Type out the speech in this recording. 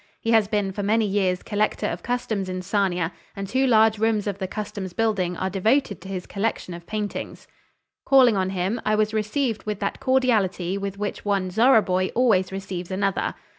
He has been for many years collector of customs in Sarnia, and two large rooms of the customs building are devoted to his collection of paintings. Calling on him, I was received with that cordiality with which one Zorra boy always receives another.